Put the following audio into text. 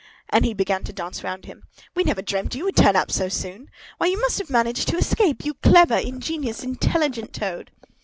And he began to dance round him. "We never dreamt you would turn up so soon! Why, you must have managed to escape, you clever, ingenious, intelligent Toad!"